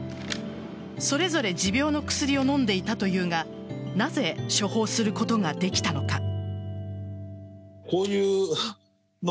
それぞれ持病の薬を飲んでいたというがなぜ処方することができたのか。